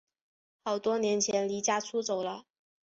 好多年前离家出走了